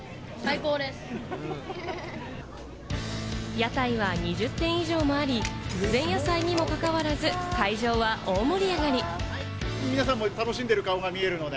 屋台は２０店以上もあり、前夜祭にも関わらず、会場は大盛り上がり。